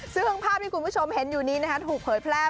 ซึ่งภาพที่คุณผู้ชมเห็นอยู่นี้ถูกเผยแพร่